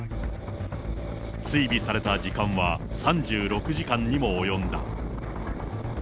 追尾された時間は３６時間にも及んだ。